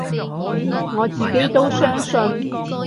我自己都相信